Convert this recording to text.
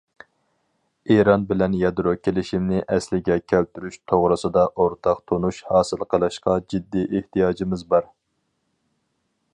ئىران بىلەن يادرو كېلىشىمىنى ئەسلىگە كەلتۈرۈش توغرىسىدا ئورتاق تونۇش ھاسىل قىلىشقا جىددىي ئېھتىياجىمىز بار.